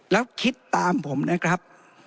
แล้วคิดตามผมนะครับ